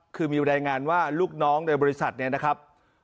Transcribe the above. คือมีรายงานว่าลูกน้องในบริษัทเนี่ยนะครับ